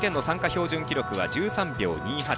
標準記録は１３秒２８。